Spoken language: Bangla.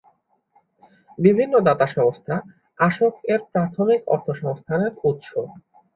বিভিন্ন দাতাসংস্থা আসক-এর প্রাথমিক অর্থসংস্থান-এর উৎস।